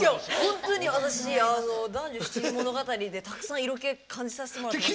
ホントに私「男女７人物語」でたくさん色気感じさせてもらってました。